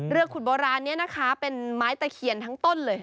ขุดโบราณนี้นะคะเป็นไม้ตะเคียนทั้งต้นเลย